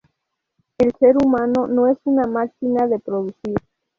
El ser humano no es una máquina de producir.